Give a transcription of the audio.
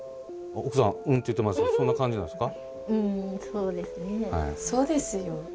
奥さんうんって言ってますがそんな感じなんですか？